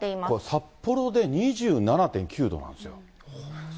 札幌で２７．９度なんですよ。